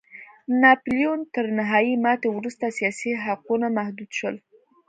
د ناپلیون تر نهايي ماتې وروسته سیاسي حقونه محدود شول.